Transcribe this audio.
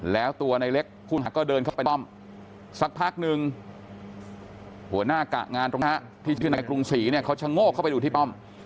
แล้วตัวในเล็กผู้หักก็เดินเข้าไปป้อมสักพักนึงหัวหน้ากะงานตรงนี้ที่ชื่อนายกรุงศรีเนี่ยเขาชะโงกเข้าไปดูที่ป้อม